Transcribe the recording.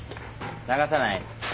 流さない？